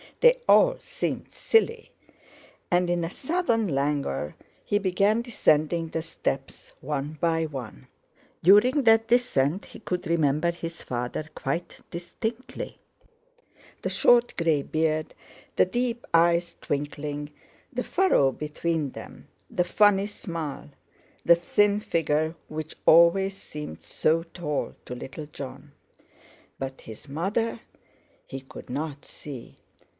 They all seemed silly, and in a sudden languor he began descending the steps one by one. During that descent he could remember his father quite distinctly—the short grey beard, the deep eyes twinkling, the furrow between them, the funny smile, the thin figure which always seemed so tall to little Jon; but his mother he couldn't see.